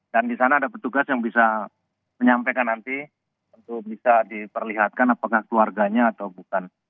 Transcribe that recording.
dan di sana ada petugas yang bisa menyampaikan nanti untuk bisa diperlihatkan apakah keluarganya atau bukan